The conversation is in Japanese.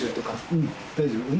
うん大丈夫。